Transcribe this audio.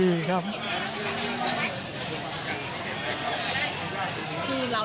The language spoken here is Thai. อยากมาใช้สิทธิ์ครับ